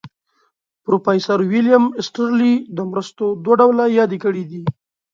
پروفیسر ویلیم ایسټرلي د مرستو دوه ډلې یادې کړې.